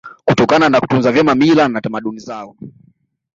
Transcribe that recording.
Kutokana na kutunza vyema mila na tamaduni zao